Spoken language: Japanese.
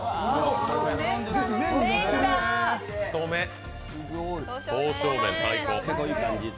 太麺、刀削麺最高。